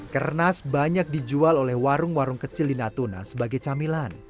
kernas banyak dijual oleh warung warung kecil di natuna sebagai camilan